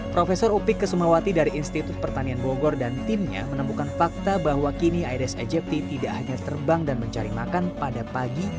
prof upik kesumawati dari institut pertanian bogor dan timnya menemukan fakta bahwa kini aedes aegypti tidak hanya terbang dan mencari makan pada pagi